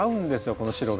この白が。